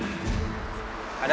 jadi lo udah tau